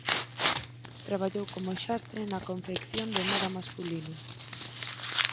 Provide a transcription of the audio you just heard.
Traballou como xastre na confección de moda masculina.